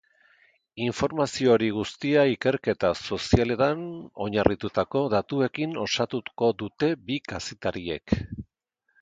Informazio hori guztia ikerketa sozialetan oinarritutako datuekin osatuko dute bi kazetariek.